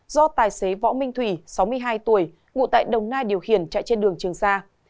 do tài xế võ minh thủy sáu mươi hai tuổi ngụ tại đồng nai điều khiển chạy trên đường trường sa